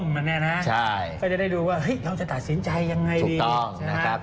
ก็จะได้ดูว่าเราจะตัดสินใจอย่างไรดี